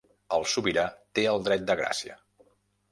El sobirà té el dret de gràcia.